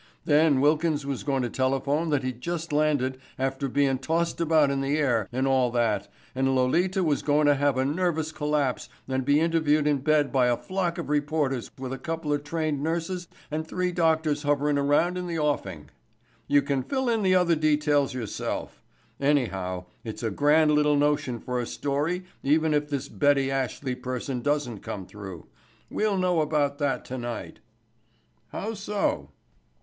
Then Wilkins was goin' to telephone that he'd just landed after bein' tossed about in the air and all that, and Lolita was goin' to have a nervous collapse and be interviewed in bed by a flock of reporters with a couple of trained nurses and three doctors hoverin' around in the offing. You can fill in the other details yourself. Anyhow, it's a grand little notion for a story even if this Betty Ashley person doesn't come through. We'll know about that tonight." "How so?"